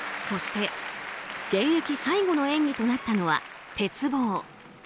そして、現役最後の演技となったのは鉄棒。